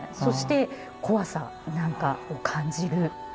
そして怖さなんかを感じる。